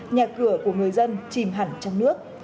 nhà cửa của người dân chìm hẳn trong nước